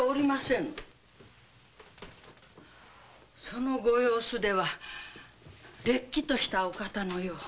そのご様子ではれっきとしたお方のよう。